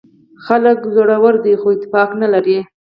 خلک زړور دي خو اتفاق نه لري.